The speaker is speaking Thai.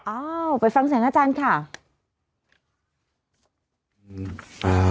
อ้าวไปฟังเสียงอาจารย์ค่ะ